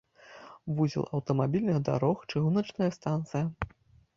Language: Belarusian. Вузел аўтамабільных дарог, чыгуначная станцыя.